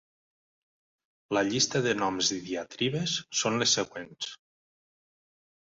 La llista de noms i diatribes són les següents.